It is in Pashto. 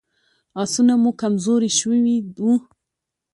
آسونه مو کمزوري شوي وو.